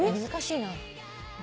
難しいな。